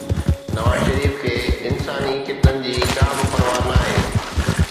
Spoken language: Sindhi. نواز شريف کي انساني خطن جي ڪا به پرواهه ناهي.